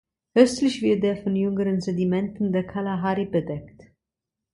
Östlich wird er von jüngeren Sedimenten der Kalahari bedeckt.